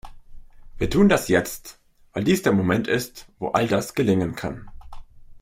Wir tun das jetzt, weil dies der Moment ist, wo all das gelingen kann.